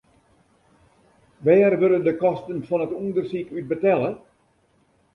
Wêr wurde de kosten fan it ûndersyk út betelle?